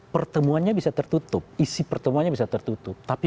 pertemuannya bisa tertutup isi pertemuannya bisa tertutup